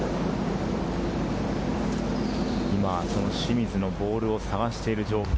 清水のボールを探している状況、